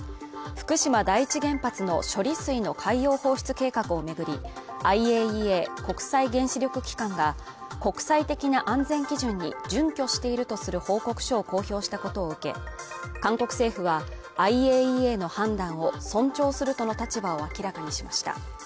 福島第一原発の処理水の海洋放出計画を巡り、ＩＡＥＡ＝国際原子力機関が国際的な安全基準に準拠しているとする報告書を公表したことを受け、韓国政府はＩＡＥＡの判断を尊重するとの立場を明らかにしました。